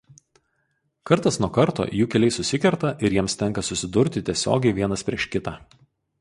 Kartas nuo karto jų keliai susikerta ir jiems tenka susidurti tiesiogiai vienas prieš kitą.